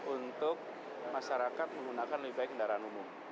untuk masyarakat menggunakan lebih baik kendaraan umum